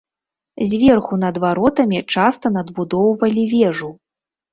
Зверху над варотамі часта надбудоўвалі вежу.